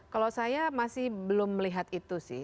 kalau saya masih belum melihat itu sih